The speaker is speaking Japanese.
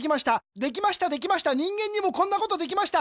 できましたできました人間にもこんなことできました。